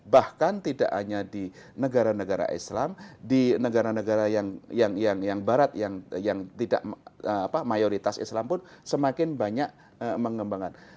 bahkan tidak hanya di negara negara islam di negara negara yang barat yang tidak mayoritas islam pun semakin banyak mengembangkan